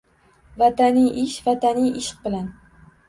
Vataniy ish vataniy ishq bilan